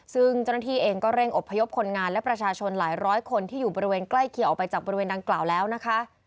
ซึ่งเจ้าหน้าที่เองก็เร่งอบพยพคนงานและประชาชนหลายร้อยคนที่อยู่บริเวณใกล้เคียงออกไปจากบริเวณดังกล่าวแล้วนะคะ